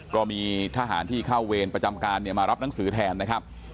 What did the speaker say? ก็มีทหารที่เข้าเวรประจำการมารับหนังสือแทนนะครับ